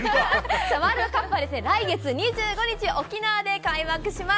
ワールドカップは来月２５日、沖縄で開幕します。